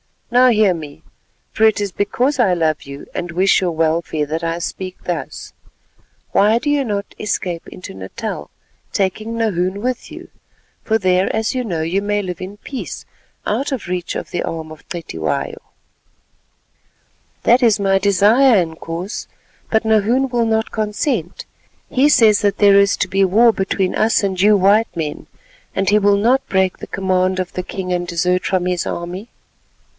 Now hear me, for it is because I love you and wish your welfare that I speak thus. Why do you not escape into Natal, taking Nahoon with you, for there as you know you may live in peace out of reach of the arm of Cetywayo?" "That is my desire, Inkoos, but Nahoon will not consent. He says that there is to be war between us and you white men, and he will not break the command of the king and desert from his army."